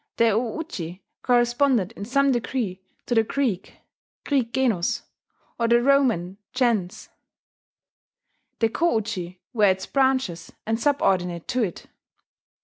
The o uji corresponded in some degree to the Greek (Greek genos) or the Roman gens: the ko uji were its branches, and subordinate to it.